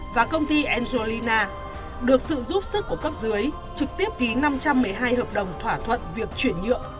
và công ty angelina được sự giúp sức của cấp dưới trực tiếp ký năm trăm một mươi hai hợp đồng thỏa thuận việc chuyển nhượng